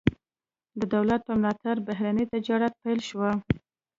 د دولت په ملاتړ بهرنی تجارت پیل شو.